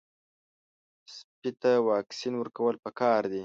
سپي ته واکسین ورکول پکار دي.